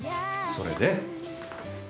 それで？